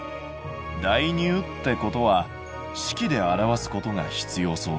代入ってことは式で表すことが必要そうだ。